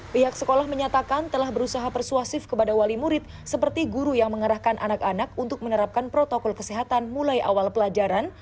pihak sekolah menyatakan telah berusaha persuasif kepada wali murid seperti guru yang mengerahkan anak anak untuk menerapkan protokol kesehatan mulai awal pelajaran